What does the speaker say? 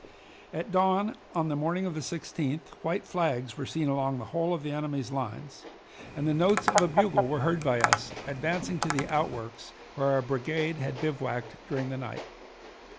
At dawn on the morning of the 16th white flags were seen along the whole of the enemy's lines, and the notes of a bugle were heard by us advancing to the outworks where our brigade had bivouacked during the night.